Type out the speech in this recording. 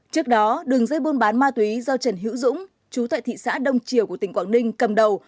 trước đó đường dây buôn bán ma túy do trần hữu dũng chú tại thị xã đông triều của tỉnh quảng ninh cầm đầu